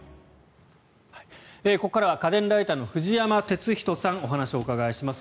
ここからは家電ライターの藤山哲人さんにお話をお伺いします。